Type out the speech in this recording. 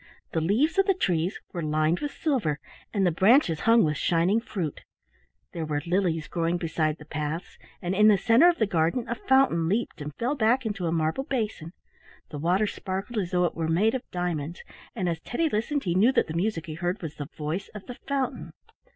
The leaves of the tress were lined with silver, and the branches hung with shining fruit. There were lilies growing beside the paths, and in the centre of the garden a fountain leaped and fell back into a marble basin. The water sparkled as though it were made of diamonds, and as Teddy listened he knew that the music he heard was the voice of the fountain.